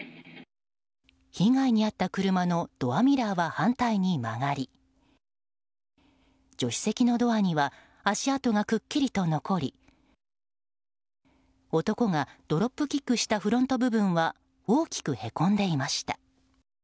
被害に遭った車のドアミラーは反対に曲がり助手席のドアには足跡がくっきりと残り男がドロップキックしたフロント部分は大きくへこんでいました。